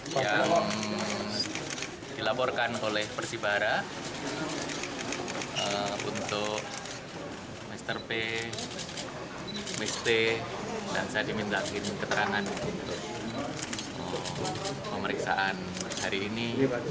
yang dilaborkan oleh persibara untuk mr p miss t dan saya diminta keterangan untuk pemeriksaan hari ini